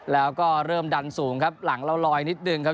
แล้วก็เริ่มดันสูงครับหลังเราลอยนิดนึงครับ